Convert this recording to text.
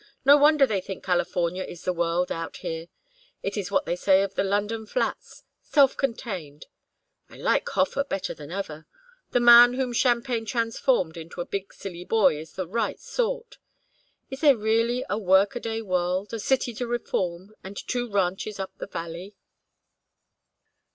No wonder they think California is the world, out here. It is what they say of the London flats: 'self contained.' I like Hofer better than ever. The man whom champagne transforms into a big silly boy is the right sort. Is there really a workaday world, a city to reform, and two ranches up the valley?"